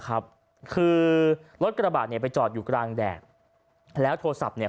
ครับคือรถกระบะเนี่ยไปจอดอยู่กลางแดดแล้วโทรศัพท์เนี่ย